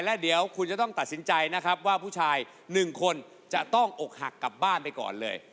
และเดี๋ยวคุณจะต้องตัดสินใจนะครับว่าผู้ชาย๑คนจะต้องอกหักกลับบ้านไปก่อนเลย